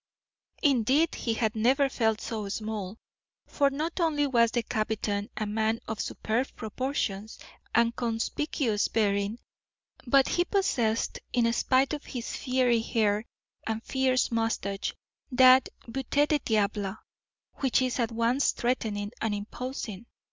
Indeed, he had never felt so small, for not only was the captain a man of superb proportions and conspicuous bearing, but he possessed, in spite of his fiery hair and fierce moustache, that beauté de diable which is at once threatening and imposing.